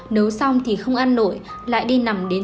nấu xong thì không ăn nổi lại đi nằm đến